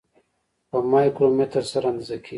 په مایکرومتر سره اندازه کیږي.